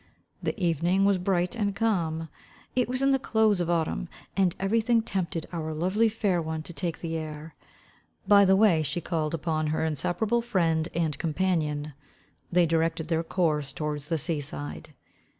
The evening was bright and calm. It was in the close of autumn; and every thing tempted our lovely fair one to take the air. By the way she called upon her inseparable friend and companion. They directed their course towards the sea side.